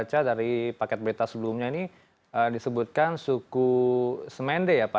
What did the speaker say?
baca dari paket berita sebelumnya ini disebutkan suku semende ya pak